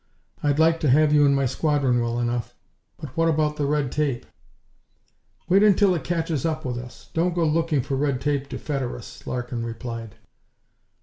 I'd like to have you in my squadron, well enough, but what about the red tape?" "Wait until it catches up with us. Don't go looking for red tape to fetter us," Larkin replied.